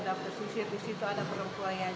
dan pesisir disitu ada perempuan yang